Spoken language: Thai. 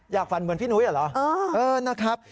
อยากฝันเหมือนพี่หนุ๊ยเหรอเออ